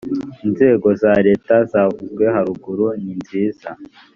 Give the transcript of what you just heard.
inzego za leta zavuzwe haruguru ninziza